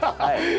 はい。